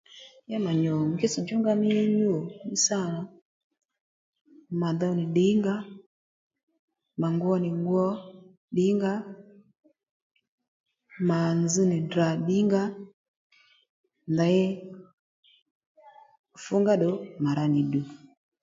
Ya mà nyù ngítss̀ djúnga mí nyû mí sâ nà mà dow nì ddǐngǎ mà ngwo nì ngwo ddǐngǎ mà dzz nì Ddrà ddǐngǎ ndey fúngá ddù mà ra nì ddù